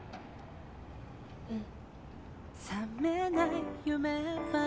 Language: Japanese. うん。